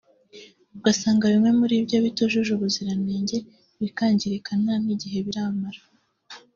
ugasanga bimwe muri byo bitujuje ubuziranenge bikangirika nta n’igihe biramara